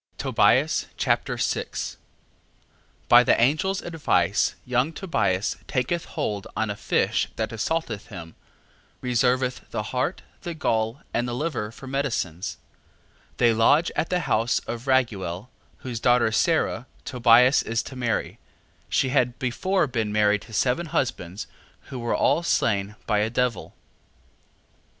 Tobias Chapter 6 By the angel's advice young Tobias taketh hold on a fish that assaulteth him. Reserveth the heart, the gall, and the liver for medicines. They lodge at the house of Raguel, whose daughter Sara, Tobias is to marry; she had before been married to seven husbands, who were all slain by a devil. 6:1.